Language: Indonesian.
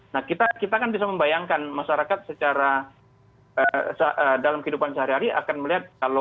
nah kita kan bisa membayangkan masyarakat secara dalam kehidupan sehari hari akan melihat